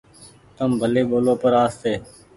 تم ڀلي ٻولو پر آستي۔